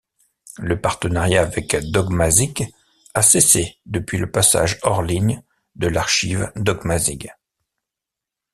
Le partenariat avec Dogmazic a cessé depuis le passage hors-ligne de l'archive Dogmazic.